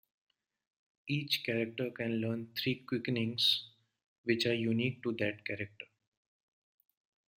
Each character can learn three Quickenings, which are unique to that character.